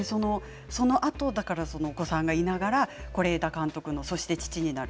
お子さんがいながらそのあと是枝監督の「そして父になる」